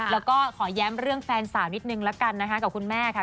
แล้วก็ขอแย้มเรื่องแฟนสาวนิดนึงละกันนะคะกับคุณแม่ค่ะ